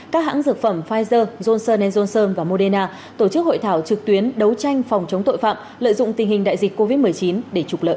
các hãng dược phẩm pfizer johnson johnson và moderna tổ chức hội thảo trực tuyến đấu tranh phòng chống tội phạm lợi dụng tình hình đại dịch covid một mươi chín để trục lợi